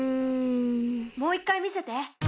もう一回見せて。